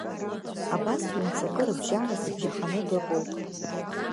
Абас ҩ-мцакы рыбжьара дыбжьаханы дыҟоуп.